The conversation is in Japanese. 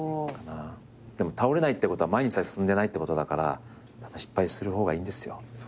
でも倒れないってことは前にさえ進んでないってことだから失敗する方がいいんですよ。